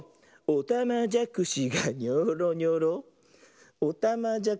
「おたまじゃくしがニョーロニョロ」